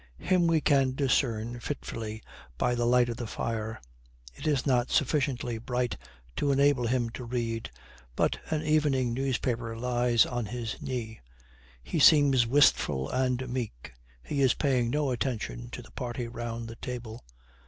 Him we can discern fitfully by the light of the fire. It is not sufficiently bright to enable him to read, but an evening paper lies on his knee. He seems wistful and meek. He is paying no attention to the party round the table.